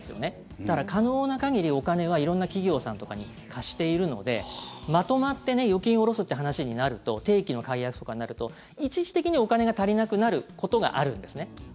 だから可能な限り、お金は色んな企業さんとかに貸しているのでまとまって預金を下ろすっていう話になると定期の解約とかになると一時的にお金が足りなくなることがあるんです。